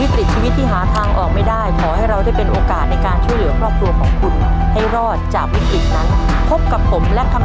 ขอลาไปก่อนสวัสดีครับ